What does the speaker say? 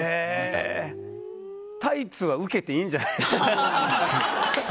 タイツは受けていいんじゃないですか。